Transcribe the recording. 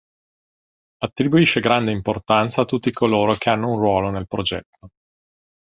Attribuisce grande importanza a tutti coloro che hanno un ruolo nel progetto.